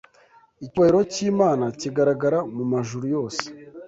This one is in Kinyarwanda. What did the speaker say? Icyubahiro cy’Imana kigaragara mu majuru yose